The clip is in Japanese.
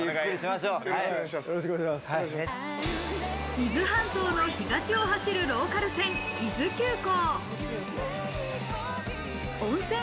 伊豆半島の東を走るローカル線、伊豆急行。